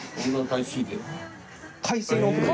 海水のお風呂。